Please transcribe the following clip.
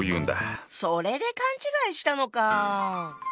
それで勘違いしたのか。